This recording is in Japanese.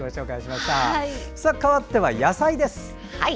かわっては野菜です。